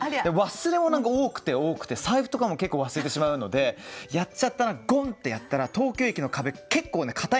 忘れ物が多くて多くて財布とかも結構忘れてしまうのでやっちゃったなゴンってやったら東京駅の壁結構硬いんですよね。